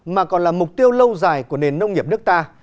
mà còn là mục tiêu lâu dài của nền nông nghiệp nước ta